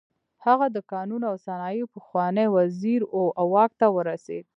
هغه د کانونو او صنایعو پخوانی وزیر و او واک ته ورسېد.